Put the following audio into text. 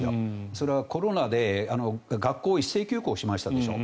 それはコロナで学校を一斉休校しましたでしょ。